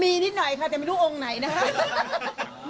อ๋อมีนิดหน่อยค่ะแต่ไม่รู้อมไหนนะครับ